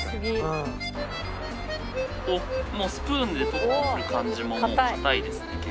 もうスプーンで取る感じももう硬いですね結構。